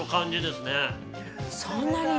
そんなに？